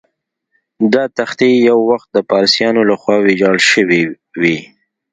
دا تختې یو وخت د پارسیانو له خوا ویجاړ شوې وې.